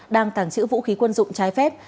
đang tàng trữ vũ khí quân dụng trái phép